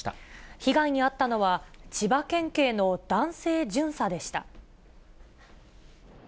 被害に遭ったのは、千葉県警の男性巡査でした。